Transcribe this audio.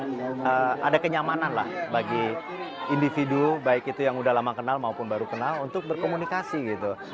ada kenyamanan lah bagi individu baik itu yang udah lama kenal maupun baru kenal untuk berkomunikasi gitu